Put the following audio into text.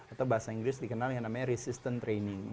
atau bahasa inggris dikenal yang namanya resistant training